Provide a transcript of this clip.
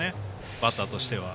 バッターとしたら。